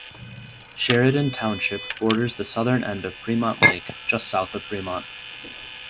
Sheridan Township borders the southern end of Fremont Lake, just south of Fremont.